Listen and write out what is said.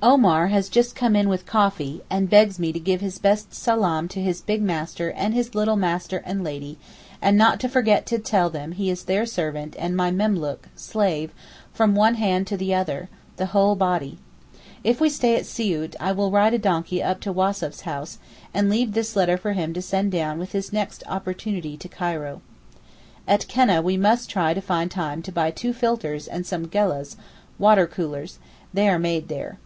Omar has just come in with coffee, and begs me to give his best salaam to his big master and his little master and lady, and not to forget to tell them he is their servant and my memlook (slave) 'from one hand to the other' (the whole body). If we stay at all at Siout, I will ride a donkey up to Wassef's house, and leave this letter for him to send down with his next opportunity to Cairo. At Keneh we must try to find time to buy two filters and some gullehs (water coolers); they are made there.